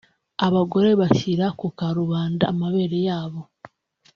abagore bashyira ku karubanda amabere yabo